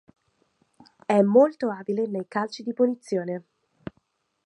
È molto abile nei calci di punizione.